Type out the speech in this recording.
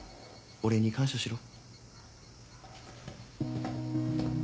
俺に感謝しろ。